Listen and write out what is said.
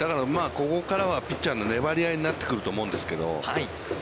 ここからはピッチャーの粘りになってくると思うんですけれども。